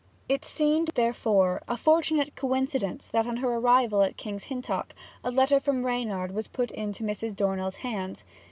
It seemed, therefore, a fortunate coincidence that on her arrival at King's Hintock a letter from Reynard was put into Mrs. Dornell's hands.